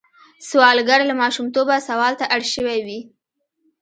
سوالګر له ماشومتوبه سوال ته اړ شوی وي